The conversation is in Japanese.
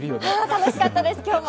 楽しかったです、今日も。